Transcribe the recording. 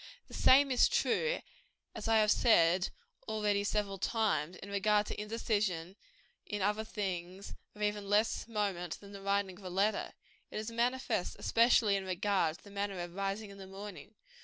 The same is true, as I have said already several times, in regard to indecision in other things of even less moment than the writing of a letter. It is manifest especially in regard to the matter of rising in the morning.